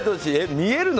見えるの？